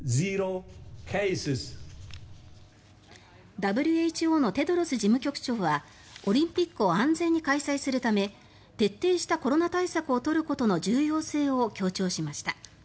ＷＨＯのテドロス事務局長はオリンピックを安全に開催するため徹底したコロナ対策を取ることの重要性を強調しました。